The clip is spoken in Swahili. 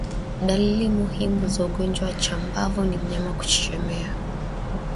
Dalili muhimu za ugonjwa wa chambavu ni mnyama kuchechemea